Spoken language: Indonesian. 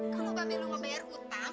kalau mbak belu mau bayar utang